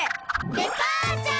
デパーチャー！